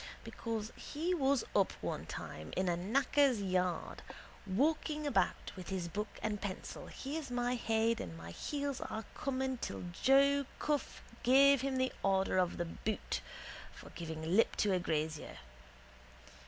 Because he was up one time in a knacker's yard. Walking about with his book and pencil here's my head and my heels are coming till Joe Cuffe gave him the order of the boot for giving lip to a grazier.